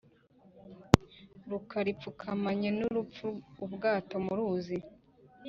Rukara ipfukamanye n'urupfu-Ubwato mu ruzi.